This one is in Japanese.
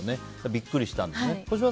ビックリしたんだね。